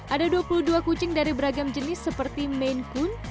ada dua puluh dua kucing dari beragam jenis seperti maine coon